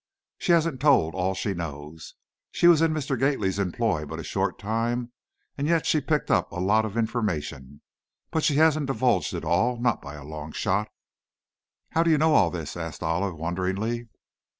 She hasn't told all she knows. She was in Mr. Gately's employ but a short time and yet she picked up a lot of information. But she hasn't divulged it all, not by a long shot!" "How do you know all this?" asked Olive, wonderingly.